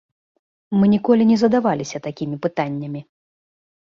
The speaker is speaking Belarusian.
Мы ніколі не задаваліся такімі пытаннямі.